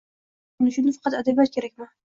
Millat uyg‘onishi uchun faqat adabiyot kerakmi?